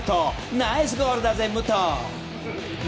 ナイスゴールだぜ、武藤！